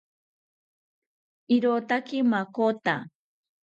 Irotaki makota